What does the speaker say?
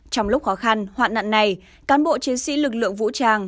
trong lúc khó khăn hoạn nạn này cán bộ chiến sĩ lực lượng vũ trang